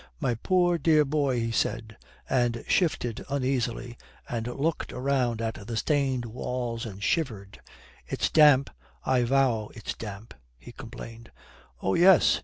"My poor, dear boy," he said, and shifted uneasily, and looked round at the stained walls and shivered. "It's damp, I vow it's damp," he complained. "Oh yes.